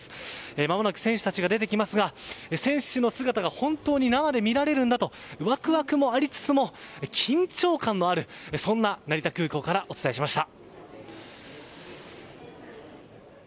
まもなく選手たちが出てきますが選手の姿が本当に生で見られるんだとワクワクもありつつも緊張感のあるそんな成田空港からお伝えしました。